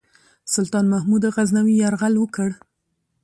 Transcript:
سلطان محمود غزنوي یرغل وکړ.